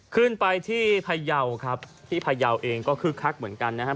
ขึ้นไปที่พยาวครับที่พยาวเองก็คึกคักเหมือนกันนะครับ